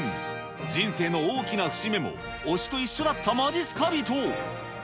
人生の大きな節目も推しと一緒だったまじっすか人。